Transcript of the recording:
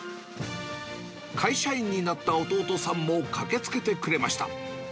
会社員になった弟さんも駆けつけてくれました。